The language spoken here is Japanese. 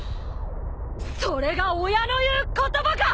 それが親の言う言葉か！